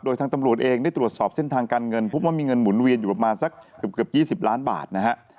โดยทางตำรวจเองได้ตรวจสอบเส้นทางการเงินพบว่ามีเงินหมุนเวียนอยู่ประมาณสักเกือบ๒๐ล้านบาทนะฮะ